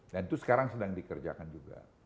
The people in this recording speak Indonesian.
dan itu sekarang sedang dikerjakan juga